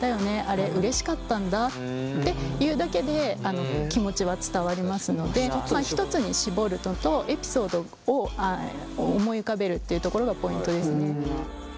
あれうれしかったんだって言うだけで気持ちは伝わりますので１つに絞るのとエピソードを思い浮かべるっていうところがポイントですね。